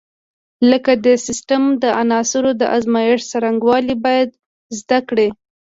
لکه د سیسټم د عناصرو د ازمېښت څرنګوالي باید زده کړي.